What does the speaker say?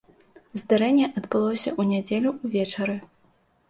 Здарэнне адбылося ў нядзелю ўвечары.